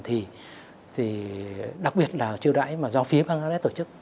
thì đặc biệt là chiêu đãi mà do phía bangladesh tổ chức